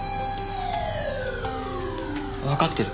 わかってる。